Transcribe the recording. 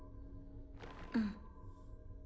うん。